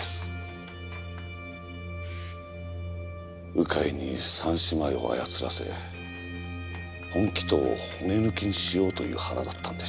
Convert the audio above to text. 鵜飼に３姉妹を操らせ本鬼頭を骨抜きにしようという腹だったんでしょう。